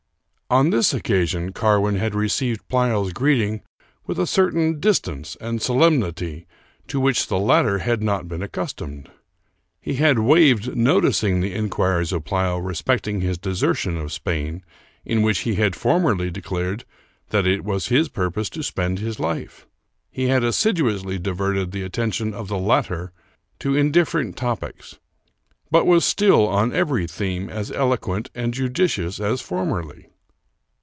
On this occasion Carwin had received Pleyel's greeting with a certain distance and solemnity to which the latter had not been accustomed. He had waived noticing the inquiries of Pleyel respecting his desertion of Spain, in which he had formerly declared that it was his purpose to spend his life. He had assiduously diverted the attention of the latter to indifferent topics, but was still, on every theme, as eloquent and judicious as formerly.